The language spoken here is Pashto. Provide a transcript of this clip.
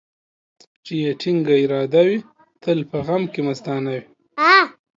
چي يې ټينگه اراده وي ، تل په غم کې مستانه وي.